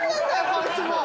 こいつもう。